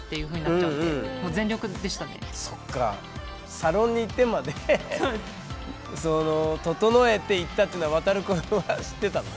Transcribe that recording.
サロンに行ってまで整えて行ったっていうのはワタル君は知ってたの？